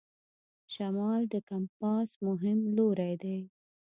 شمال د کمپاس مهم لوری دی.